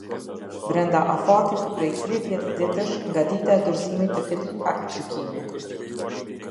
Brenda afatit prej tridhjetë ditesh nga dita e dorezimit te ketij aktgjykimi.